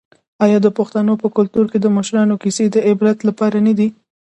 آیا د پښتنو په کلتور کې د مشرانو کیسې د عبرت لپاره نه دي؟